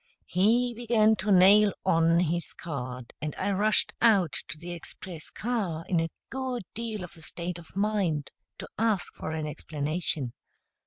He began to nail on his card, and I rushed out to the express car, in a good deal of a state of mind, to ask for an explanation.